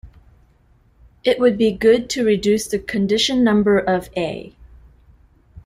It would be good to reduce the condition number of "A".